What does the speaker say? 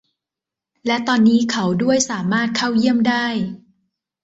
และตอนนี้เขาด้วยสามารถเข้าเยี่ยมได้